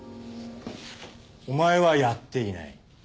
お前はやっていない。